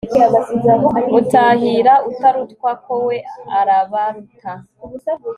mutahira utarutwa ko we arabaruta